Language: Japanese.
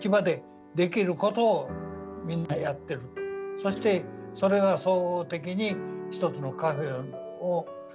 そしてそれが総合的に一つのカフェを成してると。